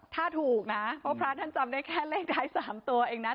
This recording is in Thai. ถ้าถูกนะเพราะพระท่านจำได้แค่เลขท้าย๓ตัวเองนะ